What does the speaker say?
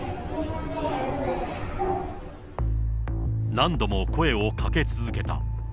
何度も声をかけ続けた。